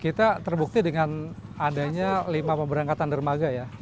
kita terbukti dengan adanya lima pemberangkatan dermaga ya